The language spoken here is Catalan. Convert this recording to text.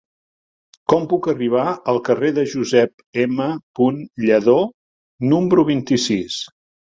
Com puc arribar al carrer de Josep M. Lladó número vint-i-sis?